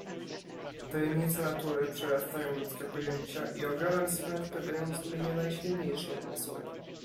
"Tajemnice natury przerastają ludzkie pojęcia i ogromem swym wprawiają w zdumienie najsilniejsze umysły."